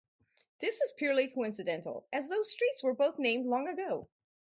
This is purely coincidental, as those streets were both named long ago.